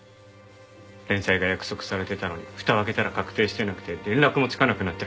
連載が約束されていたのにふたを開けたら確定してなくて連絡もつかなくなったり。